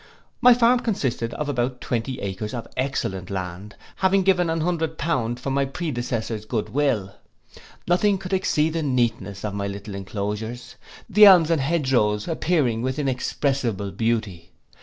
My farm consisted of about twenty acres of excellent land, having given an hundred pound for my predecessor's good will. Nothing could exceed the neatness of my little enclosures: the elms and hedge rows appearing with inexpressible beauty.